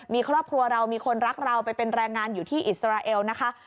มีครอบครัวเรามีคนรักเราไปเป็นแรงงานอยู่ที่อิสราเอลนะคะ